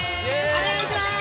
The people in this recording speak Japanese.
お願いします